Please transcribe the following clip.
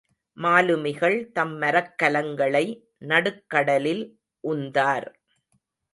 மாலுமிகள் தம் மரக்கலங்களை நடுக்கடலில் உந்தார்.